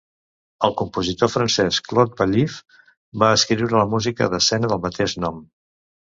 El compositor francès Claude Ballif va escriure la música d'escena del mateix nom.